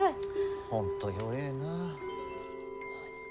本当弱えな。